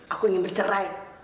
aku ingin bercerai